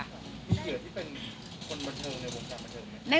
มีเหยื่อที่เป็นคนบรรเทิงในวงการบรรเทิงไหม